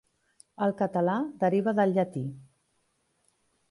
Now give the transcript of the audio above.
El català deriva del llatí.